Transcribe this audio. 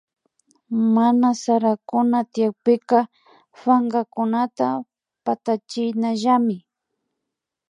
Mana sarakuna tyakpika pankakunata patachinallami